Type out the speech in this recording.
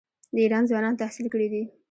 د ایران ځوانان تحصیل کړي دي.